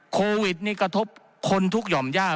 โควิดนี่กระทบคนทุกหย่อมย่า